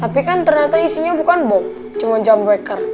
tapi kan ternyata isinya bukan boom cuma jump breaker